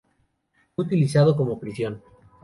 Fue utilizado como prisión.